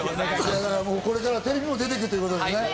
これからテレビも出て行くってことですね。